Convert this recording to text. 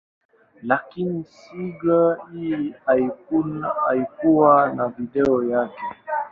Lakini single hii haikuwa na video yake.